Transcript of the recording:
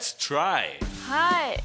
はい。